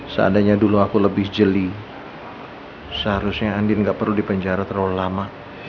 seandainya dulu aku lebih jeli seharusnya andin tidak perlu dipenjara terlalu lama